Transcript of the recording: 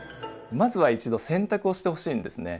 まずは一度洗濯をしてほしいんですね。